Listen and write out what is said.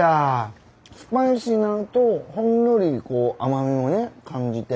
スパイシーなのとほんのりこう甘みもね感じて。